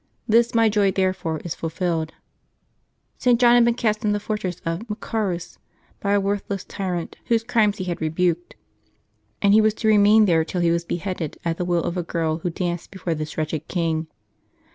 This my joy therefore is fulfilled." St. John had been cast into the fortress of Machserus by a worthless tjrant whose crimes he had re buked, and he was to remain there till he was beheaded, at the will of a girl who danced before this wretched king.